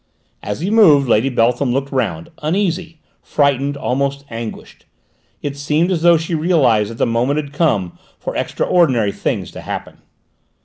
As he moved, Lady Beltham looked round, uneasy, frightened, almost anguished: it seemed as though she realised that the moment had come for extraordinary things to happen.